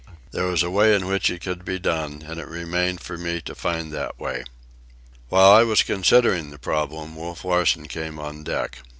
There was a way in which it could be done, and it remained for me to find that way. While I was considering the problem, Wolf Larsen came on deck.